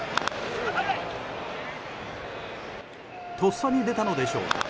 とっさに出たのでしょうか。